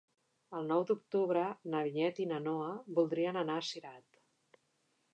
El nou d'octubre na Vinyet i na Noa voldrien anar a Cirat.